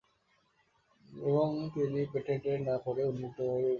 এবং তিনি এর প্যাটেন্ট না করে এর উন্মুক্ত ব্যবহারের অনুমতি প্রদান করেন।